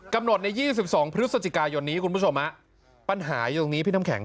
กำหนดใน๒๒พฤศจิกายนนี้คุณผู้ชมปัญหาอยู่ตรงนี้พี่น้ำแข็ง